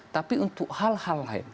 tapi untuk hal hal lain